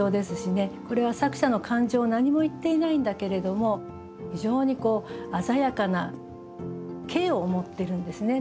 これは作者の感情を何も言っていないんだけれども非常に鮮やかな景を持っているんですね。